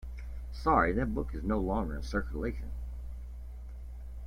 Sorry, that book is no longer in circulation.